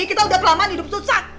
kita udah terlambat hidup susah